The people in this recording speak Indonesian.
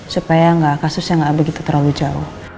supaya kasusnya nggak begitu terlalu jauh